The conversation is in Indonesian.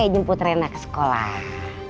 jemput rena ke sekolah